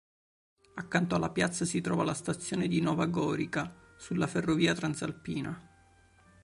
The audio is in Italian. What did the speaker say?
Accanto alla piazza si trova la stazione di Nova Gorica sulla ferrovia Transalpina.